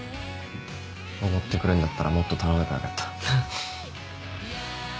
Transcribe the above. おごってくれんだったらもっと頼めばよかった。